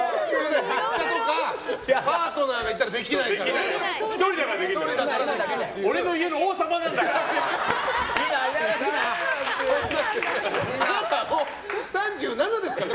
パートナーがいたらできないからね。